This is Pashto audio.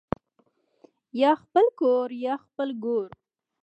یا خپل کور یا خپل ګور